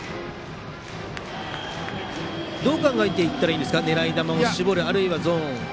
どう考えていったらいいですか狙い球を絞るあるいはゾーン。